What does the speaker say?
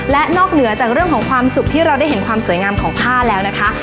และนอกเหนือจากเรื่องของความสุขที่เราได้เห็นความสวยงามของผ้าแล้วนะคะ